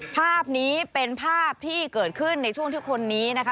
ภาพนี้เป็นภาพที่เกิดขึ้นในช่วงที่คนนี้นะคะ